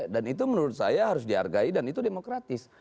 itu menurut saya harus dihargai dan itu demokratis